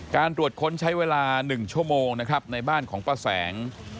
ตรวจค้นใช้เวลา๑ชั่วโมงนะครับในบ้านของป้าแสง